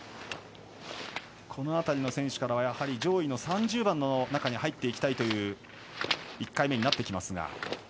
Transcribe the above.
この辺りの選手からは上位３０番の中に入っていきたいという１回目になってきます。